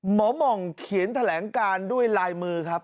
หม่องเขียนแถลงการด้วยลายมือครับ